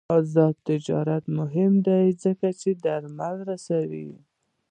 آزاد تجارت مهم دی ځکه چې درمل رسوي.